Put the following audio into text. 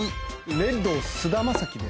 レッドを菅田将暉で。